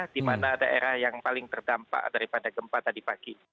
di mana daerah yang paling terdampak daripada gempa tadi pagi